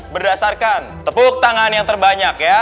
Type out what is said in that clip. berdasarkan tepuk tangan yang terbanyak ya